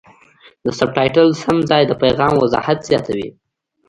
د سبټایټل سم ځای د پیغام وضاحت زیاتوي.